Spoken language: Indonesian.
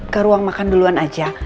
ke ruang makan duluan aja